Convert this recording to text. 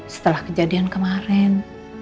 setelah kejadian kemarin